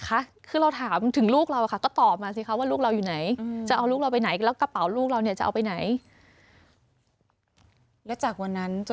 เคางก็ไม่มีคำหลับให้เคางก็